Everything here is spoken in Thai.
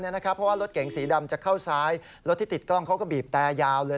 เพราะว่ารถเก๋งสีดำจะเข้าซ้ายรถที่ติดกล้องเขาก็บีบแต่ยาวเลย